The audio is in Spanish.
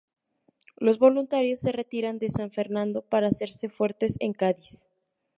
Los voluntarios se retiran de San Fernando para hacerse fuertes en Cádiz.